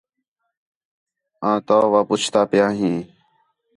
آں تَو وا پُچھدا پیاں ہیں